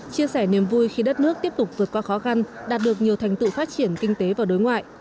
chia sẻ niềm vui khi đất nước tiếp tục vượt qua khó khăn đạt được nhiều thành tựu phát triển kinh tế và đối ngoại